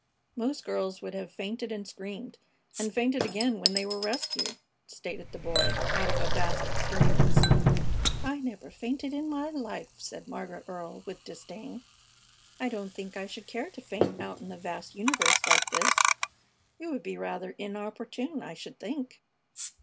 "Most girls would have fainted and screamed, and fainted again when they were rescued," stated the Boy, out of a vast experience. "I never fainted in my life," said Margaret Earle, with disdain. "I don't think I should care to faint out in the vast universe like this. It would be rather inopportune, I should think."